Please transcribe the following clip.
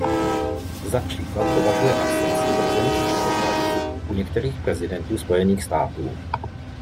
Za příklad považuje absenci vrozených předpokladů u některých prezidentů Spojených států.